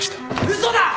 嘘だ！